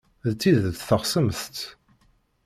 D tidet teɣsemt-t?